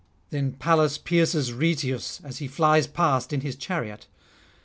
Then Pallas pierces Rhoeteus as he flies past in his chariot.